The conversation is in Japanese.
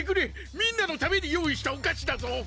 みんなのために用意したお菓子だぞ！